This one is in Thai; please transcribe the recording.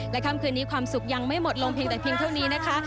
ค่ำคืนนี้ความสุขยังไม่หมดลงเพียงแต่เพียงเท่านี้นะคะ